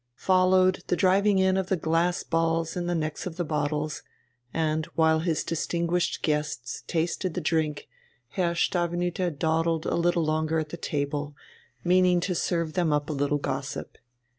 Followed the driving in of the glass balls in the necks of the bottles; and, while his distinguished guests tasted the drink, Herr Stavenüter dawdled a little longer at the table, meaning to serve them up a little gossip.